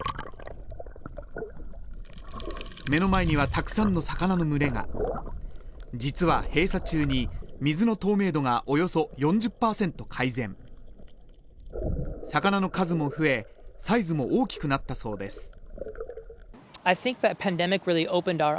目の前にはたくさんの魚の群れが実は閉鎖中に水の透明度がおよそ４０％改善魚の数も増えサイズも大きくなったそうです